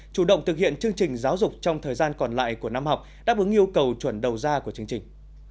chủ động thực hiện chương trình giáo dục trong thời gian còn lại của năm học đáp ứng yêu cầu chuẩn đầu ra của chương trình